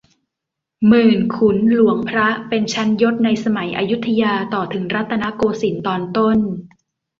หมื่น ขุน หลวง พระ เป็นชั้นยศในสมัยอยุธยาต่อถึงรัตนโกสินทร์ตอนต้น